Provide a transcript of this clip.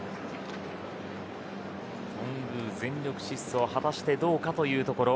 頓宮、全力疾走果たしてどうかというところ。